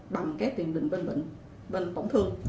bằng tiền đình bên tổn thương